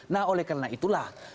nah oleh karena itulah